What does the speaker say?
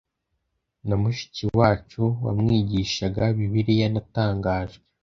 Na mushiki wacu wamwigishaga bibiliya natangajwe